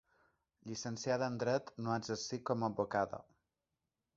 Llicenciada en dret, no ha exercit com a advocada.